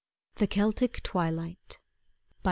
The Celtic Twilight By W.